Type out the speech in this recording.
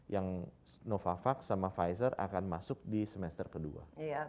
yang novavax sama pfizer akan masuk di semester kedua